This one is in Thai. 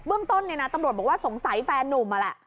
เบื้องต้นเนี่ยนะตำรวจบอกว่าสงสัยแฟนนุ่มอะแหละ